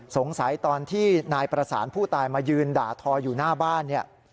สงสัยตอนที่นายประสานผู้ตายมายืนด่าทออยู่หน้าบ้าน